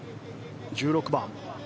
１６番。